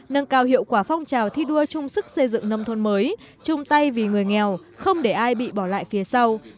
nâng cao hiệu quả phong trào thi đua chung sức xây dựng nông thôn mới chung tay vì người nghèo không để ai bị bỏ lại phía sau